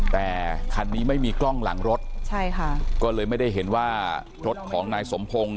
แต่คันนี้ไม่มีกล้องหลังรถใช่ค่ะก็เลยไม่ได้เห็นว่ารถของนายสมพงศ์